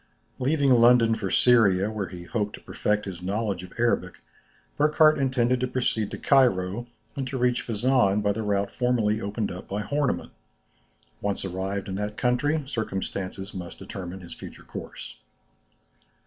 Leaving London for Syria, where he hoped to perfect his knowledge of Arabic, Burckhardt intended to proceed to Cairo and to reach Fezzan by the route formerly opened up by Hornemann. Once arrived in that country, circumstances must determine his future course.